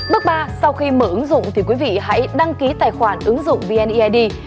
bước ba sau khi mở ứng dụng thì quý vị hãy đăng ký tài khoản ứng dụng vneid